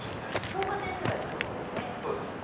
評価点数がつく方ですね。